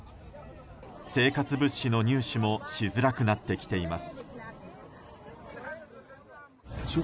生活物資の入手もしづらくなってきています。